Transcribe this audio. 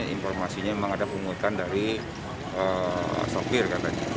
informasinya memang ada pungutan dari sopir katanya